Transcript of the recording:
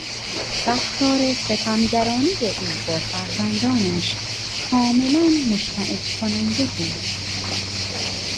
رفتار ستمگرانهی او با فرزندانش کاملا مشمئز کننده بود.